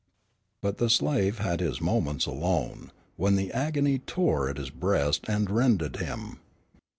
'"] But the slave had his moments alone, when the agony tore at his breast and rended him.